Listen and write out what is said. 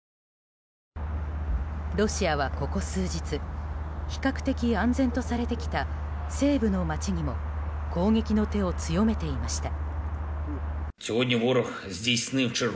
ロシアは、ここ数日比較的安全とされてきた西部の街にも攻撃の手を強めていました。